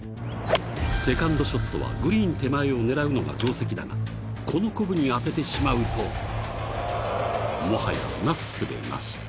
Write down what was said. セカンドショットはグリーン手前を狙うのが定石だがこのこぶに当ててしまうともはや、なすすべなし。